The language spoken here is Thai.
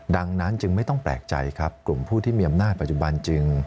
ดังนั้นจึงไม่ต้องแปลกใจครับกลุ่มผู้ที่มีอำนาจปัจจุบันจึง